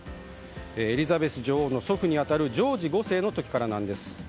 エリザベス女王の祖父に当たるジョージ５世の時からです。